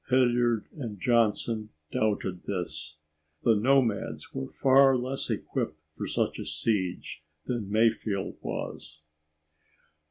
Hilliard and Johnson doubted this. The nomads were far less equipped for such a siege than Mayfield was.